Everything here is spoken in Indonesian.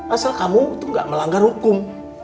asal kamu tuh gak melanggar hukum